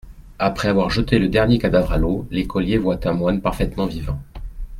Après avoir jeté le dernier cadavre à l'eau, l'écolier voit un moine parfaitement vivant.